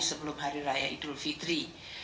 sebelum hari raya idul fitri